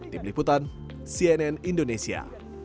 tim liputan cnn indonesia